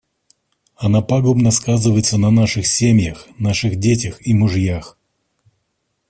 Она пагубно сказывается на наших семьях, наших детях и мужьях.